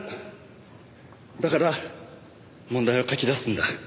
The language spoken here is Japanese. だから問題を書き出すんだ。